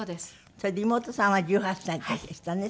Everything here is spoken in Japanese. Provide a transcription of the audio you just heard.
それで妹さんは１８歳の時でしたね。